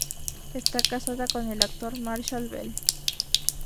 Está casada con el actor Marshall Bell.